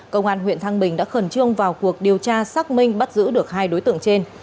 công an huyện thăng bình đã khẩn trương vào cuộc điều tra xác minh bắt giữ được hai đối tượng trên